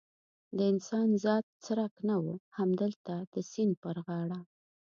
د انسان ذات څرک نه و، همدلته د سیند پر غاړه.